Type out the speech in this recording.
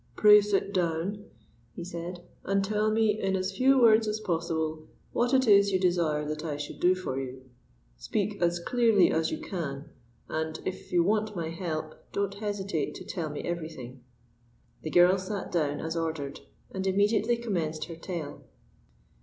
"Pray sit down," he said, "and tell me in as few words as possible what it is you desire that I should do for you. Speak as clearly as you can, and, it you want my help, don't hesitate to tell me everything." The girl sat down as ordered, and immediately commenced her tale.